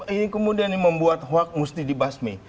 ini kemudian membuat hak mesti dibasmi